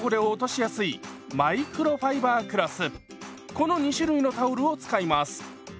この２種類のタオルを使います。